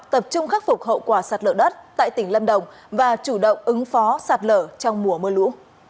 tập trung khắc phục hậu quả sạt lở đất tại tỉnh lâm đồng và chủ động ứng phó sạt lở trong mùa mưa lũ